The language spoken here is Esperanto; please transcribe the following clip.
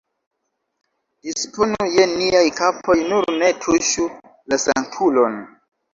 Disponu je niaj kapoj, nur ne tuŝu la sanktulon!